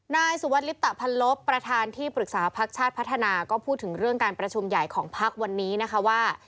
นายสุวัสดิลิปตะพันลบประธานที่ปรึกษาพักชาติพัฒนาก็พูดถึงเรื่องการประชุมใหญ่ของพักวันนี้นะคะว่า